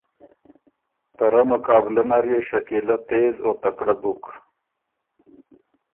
ته رۀ مقابلۀ نر يې شکیلۀ تېز او تکړۀ بُک۔